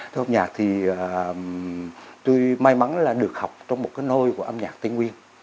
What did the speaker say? tôi học nhạc thì tôi may mắn là được học trong một cái nôi của âm nhạc tây nguyên